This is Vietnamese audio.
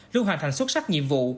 luôn hoàn thành xuất sắc nhiệm vụ